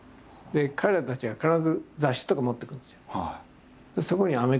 で彼らたちが必ず雑誌とか持ってくるんですよ。